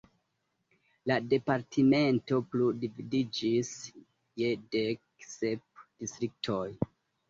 La departemento plu dividiĝis je dek sep distriktoj.